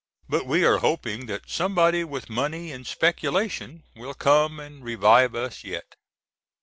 But we are hoping that somebody with money and speculation will come and revive us yet."